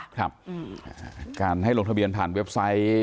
ครับการให้ลงทะเบียนผ่านเว็บไซต์